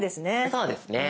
そうですね。